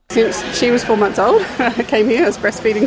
sejak dia empat tahun dia datang ke sini dia masih berusia berusia berusia